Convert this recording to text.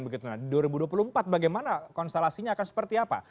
dua ribu dua puluh empat bagaimana konstelasinya akan seperti apa